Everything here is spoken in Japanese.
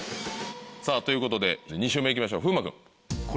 さぁということで２周目行きましょう風磨君。